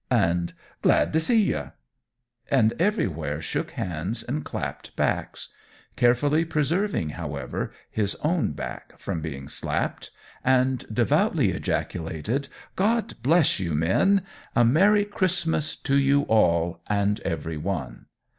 and "Glad t' see you!" and everywhere shook hands and clapped backs carefully preserving, however, his own back from being slapped and devoutly ejaculated "God bless you, men! A Merry Christmas to you all and every one!"